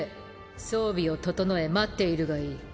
装備を整え待っているがいい。